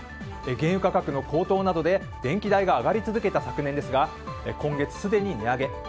原油価格の高騰などで電気代が上がり続けた昨年ですが今月すでに値上げ。